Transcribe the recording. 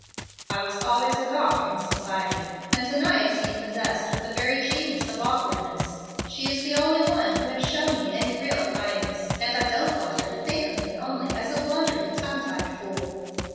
"I was always a gawk in society, and to night seem possessed with the very genius of awkwardness. She is the only one who has shown me any real kindness, and I don't want her to think of me only as a blundering, tongue tied fool."